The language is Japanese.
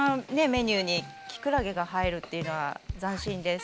メニューにきくらげが入るっていうのは斬新です。